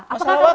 masalah apa tuh